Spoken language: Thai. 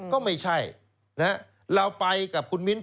ก็ไม่ใช่เราไปกับคุณมิ้น